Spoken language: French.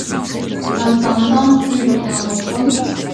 N'entendant plus le gramophone.